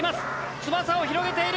翼を広げている。